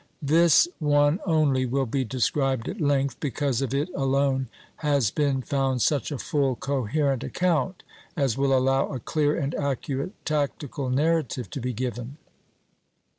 This one only will be described at length, because of it alone has been found such a full, coherent account as will allow a clear and accurate tactical narrative to be given.